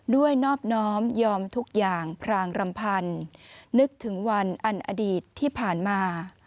นอบน้อมยอมทุกอย่างพรางรำพันธ์นึกถึงวันอันอดีตที่ผ่านมา